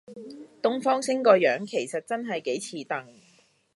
東方昇個樣其實真係幾似鄧